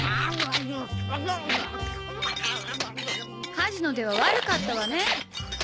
カジノでは悪かったわね。